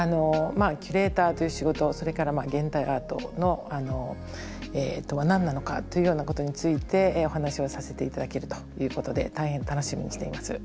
キュレーターという仕事それから現代アートとは何なのかというようなことについてお話をさせて頂けるということで大変楽しみにしています。